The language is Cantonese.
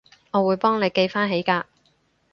我會幫你記返起㗎